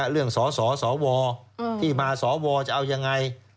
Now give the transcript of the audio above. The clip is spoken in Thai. เรื่องสศสวที่มาสวจะเอายังไง